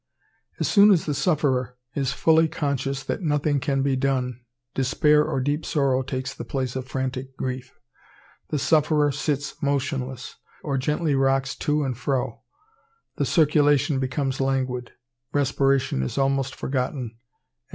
As soon as the sufferer is fully conscious that nothing can be done, despair or deep sorrow takes the place of frantic grief. The sufferer sits motionless, or gently rocks to and fro; the circulation becomes languid; respiration is almost forgotten, and deep sighs are drawn.